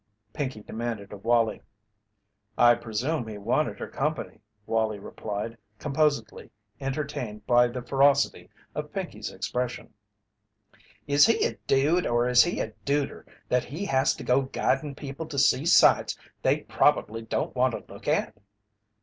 Pinkey demanded of Wallie. "I presume he wanted her company," Wallie replied, composedly, entertained by the ferocity of Pinkey's expression. "Is he a dude or is he a duder that he has to go guidin' people to see sights they prob'ly don't want to look at?"